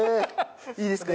いいですか？